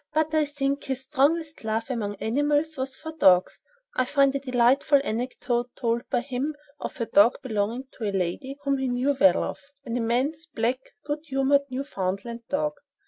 But I think his strongest love, among animals, was for dogs. I find a delightful anecdote told by him of a dog belonging to a lady whom he knew well, "Of," an immense, black, good humored, Newfoundland dog.